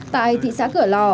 tại thị xã cửa lò